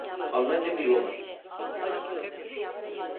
Almanca bir roman!